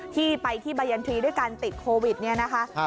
ที่ไปที่บายันทรีย์ด้วยการติดโควิดเนี่ยนะคะ